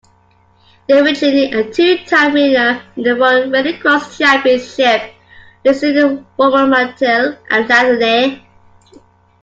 Davy Jeanney, a two-time winner in the World Rallycross Championship, lives in Romorantin-Lanthenay.